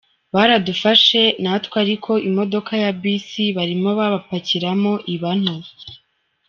Baradufashe natwe ariko imodoka ya Bus barimo babapakiramo iba nto".